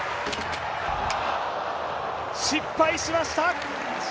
失敗しました。